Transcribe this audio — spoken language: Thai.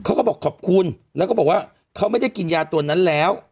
เขาก็บอกขอบคุณแล้วก็บอกว่าเขาไม่ได้กินยาตัวนั้นแล้ว